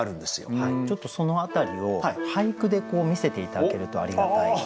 ちょっとその辺りを俳句で見せて頂けるとありがたい。